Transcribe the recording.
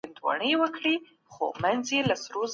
هنريت په کار کي ښکلا پېدا کوي.